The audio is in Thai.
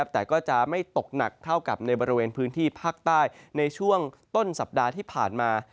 แต่ก็จะไม่ตกหนักเท่ากับในบริเวณพื้นที่ภาคใต้ในช่วงต้นสัปดาห์ที่ผ่านมา